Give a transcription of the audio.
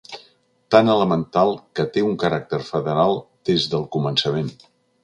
Tan elemental que té un caràcter federal des del començament.